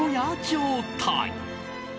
状態。